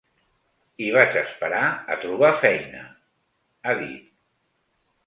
I vaig esperar a trobar feina…, ha dit.